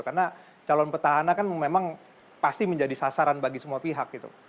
karena calon petahana kan memang pasti menjadi sasaran bagi semua pihak gitu